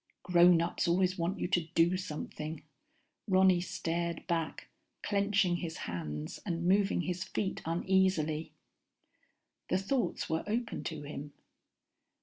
_ Grownups always want you to do something. Ronny stared back, clenching his hands and moving his feet uneasily. The thoughts were open to him.